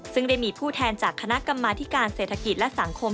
ซึ่งได้มีผู้แทนจากคณะกรรมาธิการเศรษฐกิจและสังคม